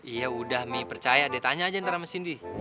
iya udah mie percaya deh tanya aja ntar sama cindy